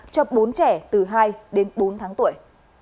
cho bốn trẻ từ hai đến bốn tháng tuổi